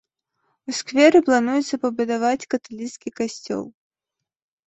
У скверы плануецца пабудаваць каталіцкі касцёл.